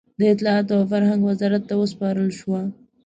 د اطلاعاتو او فرهنګ وزارت ته وسپارل شوه.